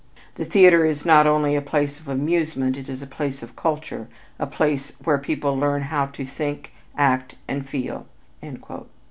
The theater is not only a place of amusement, it is a place of culture, a place where people learn how to think, act, and feel."